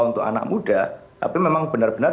untuk anak muda tapi memang benar benar